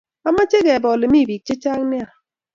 Amache kebe ole mi bik chechang nea